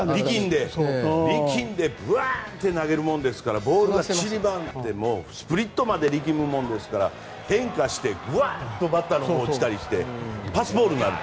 力んでグワンって投げるものですからボールが散ってもうスプリットまで力むものですから変化して、グワンッとバッターのほうに落ちたりしてパスボールになると。